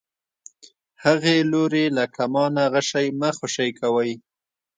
هغې لورې له کمانه غشی مه خوشی کوئ.